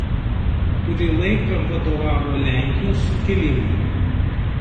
Kurį laiką vadovavo Lenkijos sukilimui.